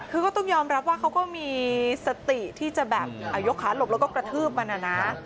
คือก็ต้องยอมรับว่าเขาก็มีสติที่จะแบบยกขาหลบแล้วก็กระทืบมันนะ